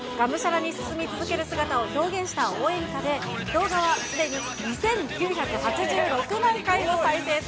がむしゃらに進み続ける姿を表現した応援歌で、動画はすでに２９８６万回を再生。